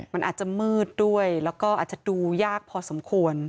มันอาจจะมืดด้วยแล้วก็อาจจะดูยากพอสมควร